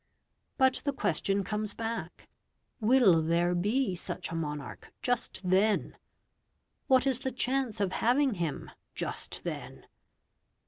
But the question comes back, Will there be such a monarch just then? What is the chance of having him just then?